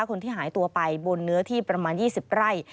คนที่หายตัวไปบนเนื้อที่ประมาณ๒๐ไร่